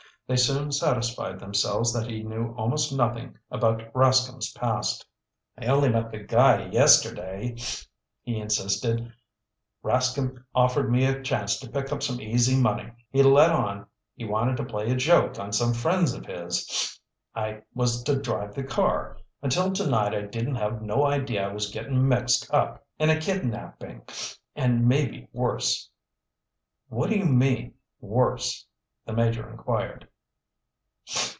They soon satisfied themselves that he knew almost nothing about Rascomb's past. "I only met the guy yesterday," he insisted. "Rascomb offered me a chance to pick up some easy money. He let on he wanted to play a joke on some friends of his. I was to drive the car. Until tonight I didn't have no idea I was getting mixed up in a kidnapping, and maybe worse." "What do you mean—worse?" the Major inquired.